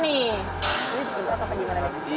ini diberikan apa gimana nih